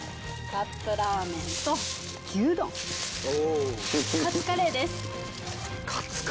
カップラーメンと牛丼カツカレーです。